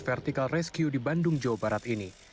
vertical rescue di bandung jawa barat ini